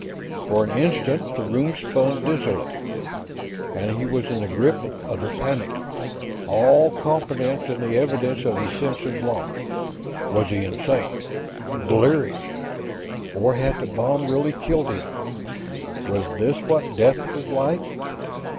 For an instant, the room spun dizzily; and he was in the grip of utter panic, all confidence in the evidence of his senses lost. Was he insane? Or delirious? Or had the bomb really killed him; was this what death was like?